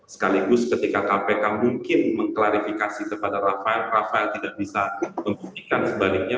sekaligus ketika kpk mungkin mengklarifikasi kepada rafael rafael tidak bisa membuktikan sebaliknya